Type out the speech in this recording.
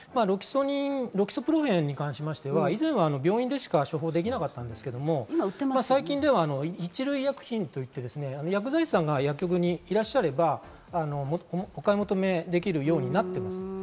ロキソプロフェンに関しては、以前は病院でしか処方できなかったんですけど、最近では、１類医薬品と言って薬剤師さんが薬局にいらっしゃればお買い求めできるようになったんです。